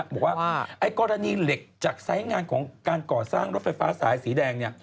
บอกว่ากรณีเหล็กจากไซส์งานของการก่อสร้างรถไฟฟ้าสายสีแดง